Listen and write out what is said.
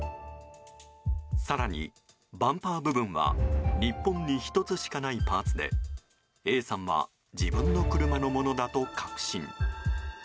更に、バンパー部分は日本に１つしかないパーツでＡさんは自分の車のものだと確信。